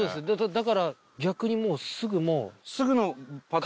だから逆にすぐもう。